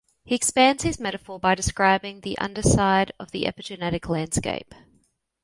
He expands his metaphor by describing the underside of the epigenetic landscape.